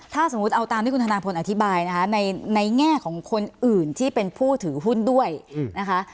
ถ้าสมมุติเอาตามที่คุณธนาพลอธิบายนะคะในแง่ของคนอื่นที่เป็นผู้ถือหุ้นด้วยนะคะ